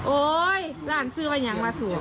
โอ้ยหลานซื้อไปยังว่าสูตร